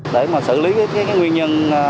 để mà xử lý cái nguyên nhân